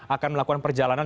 akan melakukan perjalanan